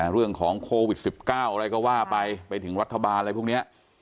เรื่องของโควิด๑๙อะไรก็ว่าไปไปถึงรัฐบาลอะไรพวกนี้